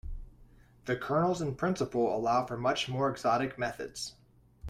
The kernels in principle allow for much more exotic methods.